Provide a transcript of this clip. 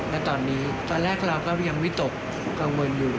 และตอนนี้ตอนแรกเราก็ยังวิตกกังวลอยู่